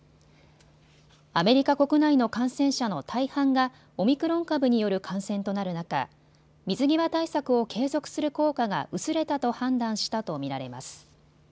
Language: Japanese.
アメリカ国内の感染者の大半がオミクロン株による感染となる中、水際対策を継続する効果が薄れたと判断したと見られます。